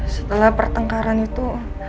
setelah pertengkaran itu